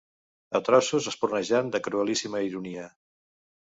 A trossos espurnejant de cruelíssima ironia